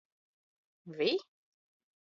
Vi?